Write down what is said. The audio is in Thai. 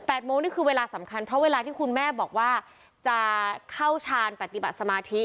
โมงนี่คือเวลาสำคัญเพราะเวลาที่คุณแม่บอกว่าจะเข้าชาญปฏิบัติสมาธิ